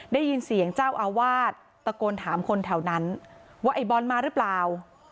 ได้ยินเสียงเจ้าอาวาสตะโกนถามคนแถวนั้นว่าไอ้บอลมาหรือเปล่า